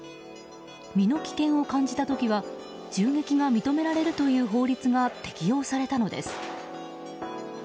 身の危険を感じた時は銃撃が認められるという法律が適用されたのです。